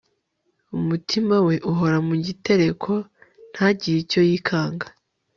umutima we uhora mu gitereko, ntagire icyo yikanga